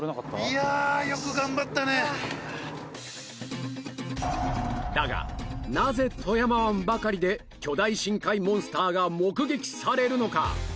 いやよく頑張ったねだがなぜ富山湾ばかりで巨大深海モンスターが目撃されるのか？